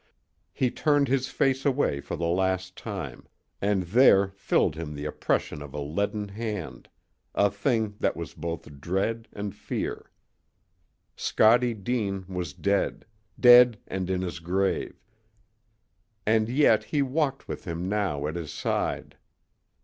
He turned his face away for the last time, and there filled him the oppression of a leaden hand, a thing that was both dread and fear. Scottie Deane was dead dead and in his grave, and yet he walked with him now at his side.